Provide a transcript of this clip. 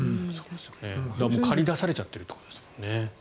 駆り出されちゃっているということですもんね。